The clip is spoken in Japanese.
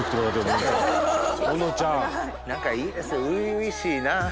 仲いいですね初々しいな。